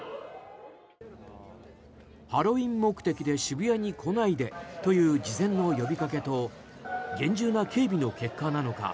ハロウィーン目的で渋谷に来ないでという事前の呼びかけと厳重な警備の結果なのか